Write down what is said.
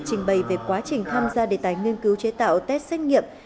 trình bày về quá trình tham gia đề tài nghiên cứu chế tạo test xét nghiệm